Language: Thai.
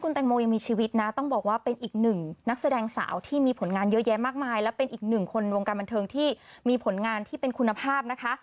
แตงโมยังมีชีวิตนะต้องบอกว่าเป็นอีกหนึ่งนักแสดงสาวที่มีผลงานเยอะแยะมากมายและเป็นอีกหนึ่งคนวงการบันเทิงที่มีผลงานที่เป็นคุณภาพนะคะ